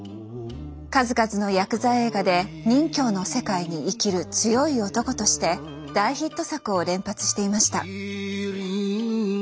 数々のヤクザ映画で仁侠の世界に生きる強い男として大ヒット作を連発していました。